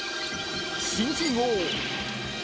［新人王］